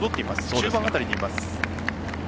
終盤辺りにいます。